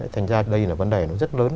thành ra đây là vấn đề rất lớn